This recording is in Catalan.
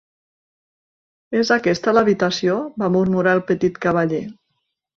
"És aquesta l'habitació?" va murmurar el petit cavaller.